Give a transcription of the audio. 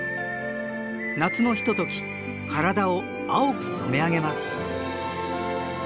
夏のひととき体を青く染め上げます。